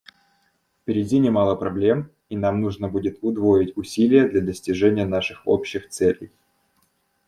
Впереди немало проблем, и нам нужно будет удвоить усилия для достижения наших общих целей.